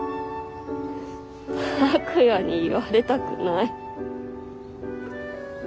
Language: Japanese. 拓哉に言われたくない。